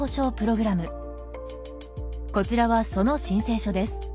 こちらはその申請書です。